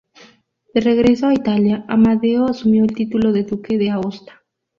De regreso a Italia, Amadeo asumió el título de Duque de Aosta.